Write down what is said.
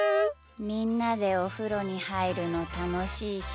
みんなでおふろにはいるのたのしいし。